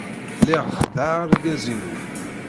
Lliɣ xeddɛeɣ argaz-inu.